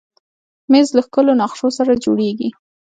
مېز له ښکلو نقشو سره جوړېږي.